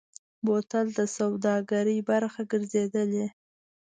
بوتل د سوداګرۍ برخه ګرځېدلی.